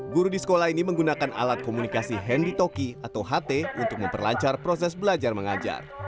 guru di sekolah ini menggunakan alat komunikasi handy toki atau ht untuk memperlancar proses belajar mengajar